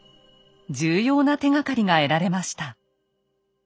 重要な手がかりが得られました。